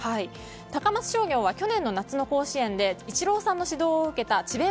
高松商業は去年の夏の甲子園でイチローさんの指導を受けた智弁